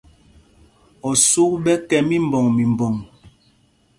Osûk ɓɛ kɛ́ mímbɔŋ mimbɔŋ.